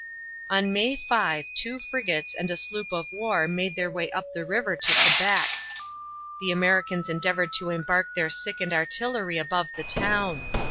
On May 5 two frigates and a sloop of war made their way up the river to Quebec. The Americans endeavored to embark their sick and artillery above the town.